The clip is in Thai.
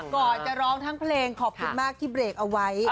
ก่อนจะร้องทั้งเพลงขอบคุณมากที่เบรกเอาไว้